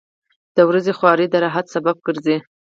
• د ورځې خواري د راحت سبب ګرځي.